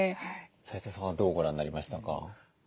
齋藤さんはどうご覧になりましたか？